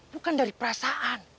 bukan dari perasaan